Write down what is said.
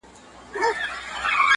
که محتاجه طراوت ته دا چمن شي